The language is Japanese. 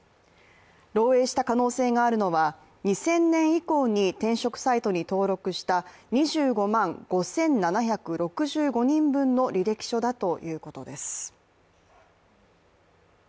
漏えいした可能性があるのは２０００年以降に転職サイトに登録した２５万５７６５人分の履歴書だということです。